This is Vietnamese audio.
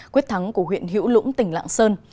quyết thắng của huyện hữu lũng tỉnh lạng sơn